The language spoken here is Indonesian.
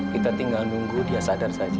kita tinggal nunggu dia sadar saja